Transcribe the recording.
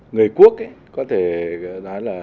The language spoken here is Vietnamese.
người quốc có thể nói là